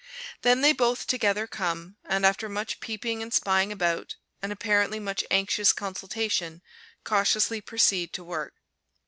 Then they both together come, and after much peeping and spying about, and apparently much anxious consultation, cautiously proceed to work.